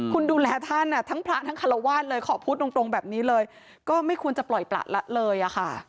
คุณดูแลท่านทั้งพระทั้งคารวาสเลยขอพูดตรงแบบนี้เลยก็ไม่ควรจะปล่อยประละเลยอะค่ะ